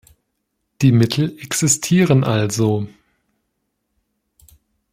Die Mittel existieren also.